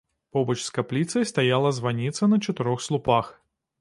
Побач з капліцай стаяла званіца на чатырох слупах.